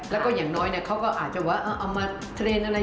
แล้วก็อย่างน้อยเขาก็อาจจะว่าเอามาเทรนด์อะไร